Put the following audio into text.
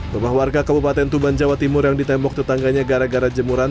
rumah warga kabupaten tuban jawa timur yang ditembok tetangganya gara gara jemuran